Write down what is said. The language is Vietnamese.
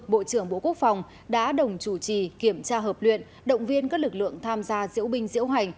bộ trưởng bộ quốc phòng đã đồng chủ trì kiểm tra hợp luyện động viên các lực lượng tham gia diễu binh diễu hành